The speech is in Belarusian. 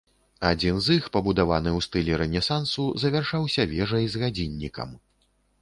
Адзін з іх пабудаваны ў стылі рэнесансу, завяршаўся вежай з гадзіннікам.